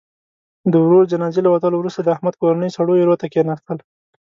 د ورور جنازې له وتلو وروسته، د احمد کورنۍ سړو ایرو ته کېناستل.